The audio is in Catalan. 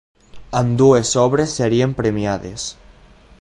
Ambdues obres serien premiades.